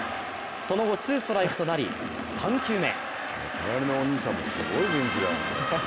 その後ツーストライクとなり、３球目。